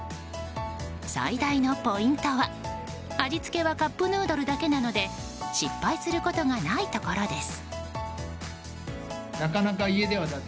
最大のポイントは、味付けはカップヌードルだけなので失敗することがないところです。